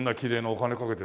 お金かけて。